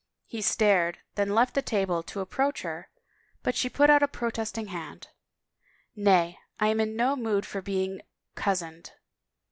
He stared, then left the table to approach her but she put out a protesting hand. " Nay, I am in no mood for being cozened."